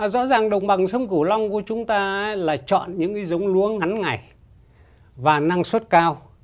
rõ ràng đồng bằng sông cửu long của chúng ta là chọn những cái giống lúa ngắn ngày và năng suất cao